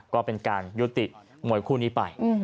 ก็เป็นการยุติมวยคู่นี้ไป